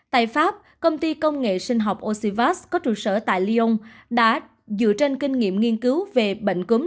tại pháp công ty công nghệ sinh học oxyvas có trụ sở tại lyon đã dựa trên kinh nghiệm nghiên cứu về bệnh cúm